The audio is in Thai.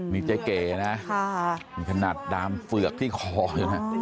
นี่เจ๊เก๋นะขนาดดามเฝือกที่คอเลยนะ